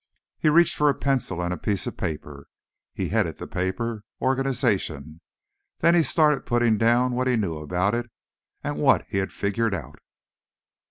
He reached for a pencil and a piece of paper. He headed the paper: Organization. Then he started putting down what he knew about it, and what he'd figured out.